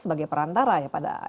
sebagai perantara ya pada